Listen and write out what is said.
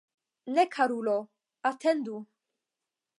Ne, karulo, atendu!